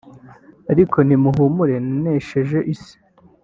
ariko nimuhumure nanesheje isi